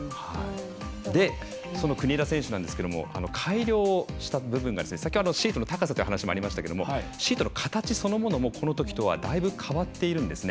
その国枝選手なんですが改良をした部分が先ほどシートの高さという話もありましたけどシートの形そのものもこのときとはだいぶ変わっているんですね。